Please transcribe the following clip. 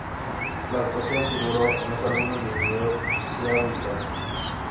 La actuación figuró en los álbumes de vídeo "Ciao, Italia!